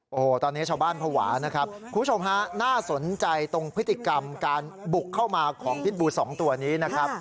โอ้โหตอนนี้ชาวบ้านภาวะนะครับคุณผู้ชมฮะน่าสนใจตรงพฤติกรรมการบุกเข้ามาของพิษบูสองตัวนี้นะครับ